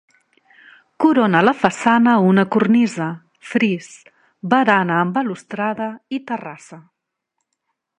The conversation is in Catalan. Corona la façana una cornisa, fris, barana amb balustrada i terrassa.